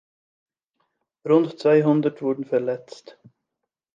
Rund zweihundert wurden verletzt.